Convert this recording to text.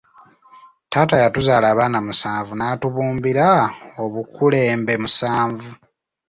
“Taata yatuzaala abaana musanvu natubumbira obukulembe musanvu